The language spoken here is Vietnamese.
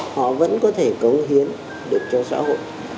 họ vẫn có thể cống hiến được cho xã hội